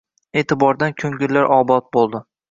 E’tibordan ko‘ngillar obod bo‘ldi